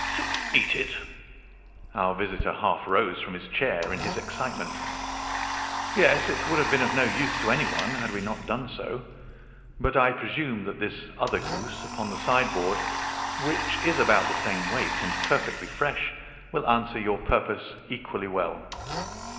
"To eat it!" Our visitor half rose from his chair in his excitement. "Yes, it would have been of no use to anyone had we not done so. But I presume that this other goose upon the sideboard, which is about the same weight and perfectly fresh, will answer your purpose equally well?"